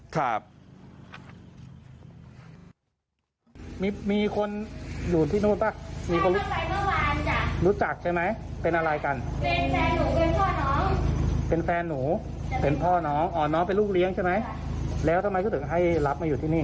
ครับ